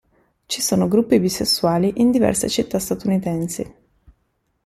Ci sono gruppi bisessuali in diverse città statunitensi.